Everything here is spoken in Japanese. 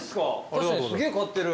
確かにすげえ買ってる。